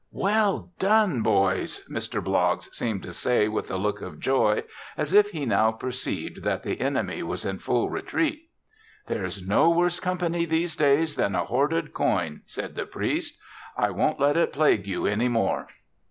"Well done, boys!" Mr. Bloggs seemed to say with a look of joy as if he now perceived that the enemy was in full retreat. "There's no worse company, these days, than a hoarded coin," said the priest. "I won't let it plague you any more."